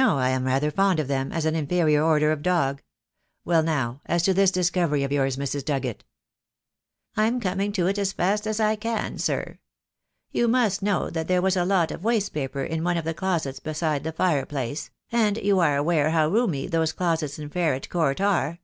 "No, I am rather fond of them, as an inferior order of dog. Well, now, as to this discovery of yours, Mrs. Dugget?" "I'm coming to it as fast as I can, sir. You must know that there was a lot of waste paper in one of the closets beside the fireplace, and you are aware how roomy those closets in Ferret Court are.